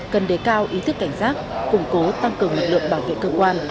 cần đề cao ý thức cảnh giác củng cố tăng cường lực lượng bảo vệ cơ quan